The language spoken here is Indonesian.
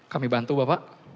kami bantu bapak